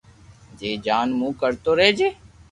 جي جان مون ڪرتو رھجي